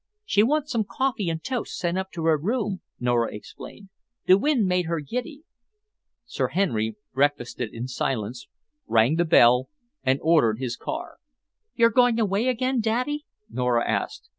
"She wants some coffee and toast sent up to her room." Nora explained. "The wind made her giddy." Sir Henry breakfasted in silence, rang the bell, and ordered his car. "You going away again, Daddy?" Nora asked.